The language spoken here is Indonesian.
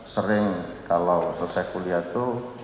sering kalau selesai kuliah itu